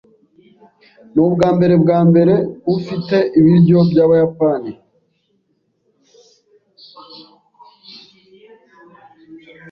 Nubwambere bwambere ufite ibiryo byabayapani?